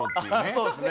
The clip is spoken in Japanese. そうですね。